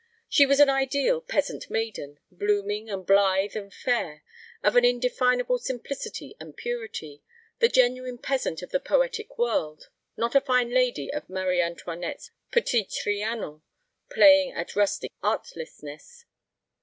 She was an ideal peasant maiden, blooming and blithe and fair, of an indefinable simplicity and purity; the genuine peasant of the poetic world, not a fine lady of Marie Antoinette's Petit Trianon playing at rustic artlessness.